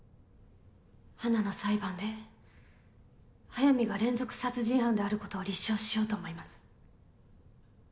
花の裁判で速水が連続殺人犯であることを立証しようと思います。